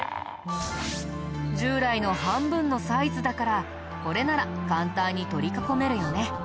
従来の半分のサイズだからこれなら簡単に取り囲めるよね。